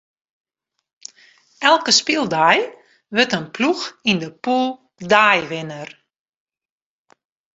Elke spyldei wurdt in ploech yn de pûle deiwinner.